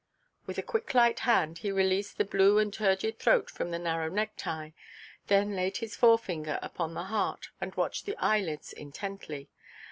With a quick light hand he released the blue and turgid throat from the narrow necktie, then laid his forefinger upon the heart and watched the eyelids intently.